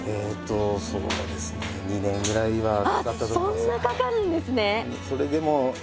あそんなかかるんですね。